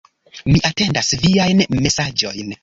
Mi atendas viajn mesaĝojn.